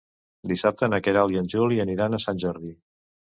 Dissabte na Queralt i en Juli aniran a Sant Jordi.